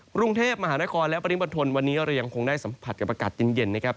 กรุงเทพมหานครและปริมณฑลวันนี้เรายังคงได้สัมผัสกับอากาศเย็นนะครับ